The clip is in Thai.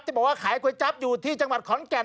บอกว่าขายก๋วยจั๊บอยู่ที่จังหวัดขอนแก่น